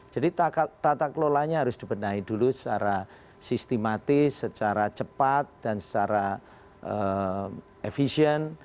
jadi tata kelolanya harus dibenahi dulu secara sistematis secara cepat dan secara efisien